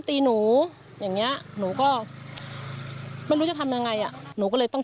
ตีหนูอย่างเงี้ยหนูก็ไม่รู้จะทำยังไงอ่ะหนูก็เลยต้อง